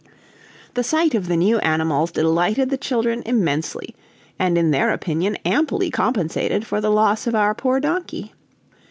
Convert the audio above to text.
The sight of the new animals delighted the children immensely, and in their opinion amply compensated for the loss of our poor donkey.